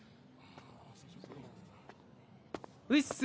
うぃっす。